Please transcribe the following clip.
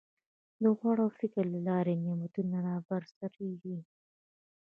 د غور او فکر له لارې نعمتونه رابرسېره کېږي.